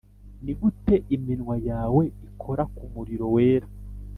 nigute iminwa yawe ikora ku muriro wera?